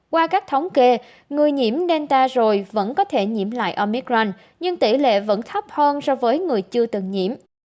qua các thống kê người nhiễm delta rồi vẫn có thể nhiễm lại omicron nhưng tỷ lệ vẫn thấp hơn so với người chưa từng nhiễm